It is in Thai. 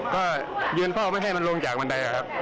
ก็ยืนเฝ้าไม่ให้มันลงจากบันไดครับ